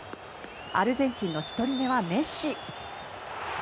アルゼンチンの１人目はメッシ。